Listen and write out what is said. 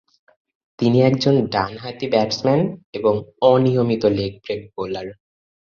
তিনি একজন ডানহাতি ব্যাটসম্যান এবং অনিয়মিত লেগ ব্রেক বোলার।